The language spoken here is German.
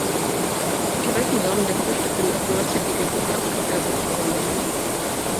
Die reifen Samen der Früchte können auch geröstet gegessen oder als Kaffeeersatz verwendet werden.